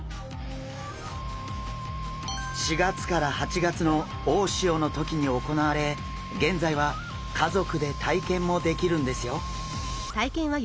４月から８月の大潮の時に行われ現在は家族で体験もできるんですよ。